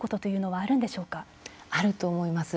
あると思います。